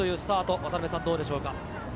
渡辺さん、どうでしょうか？